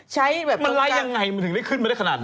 ใช้ใบบนกราฟ